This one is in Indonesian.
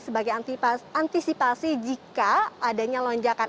sebagai antisipasi jika adanya lonjakan